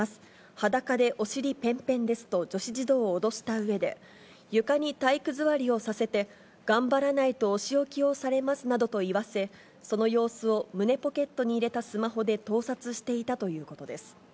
裸でお尻ぺんぺんですと女子児童を脅したうえで、床に体育座りをさせて頑張らないとお仕置きをされますなどと言わせ、その様子を胸ポケットに入れたスマホで盗撮していたということです。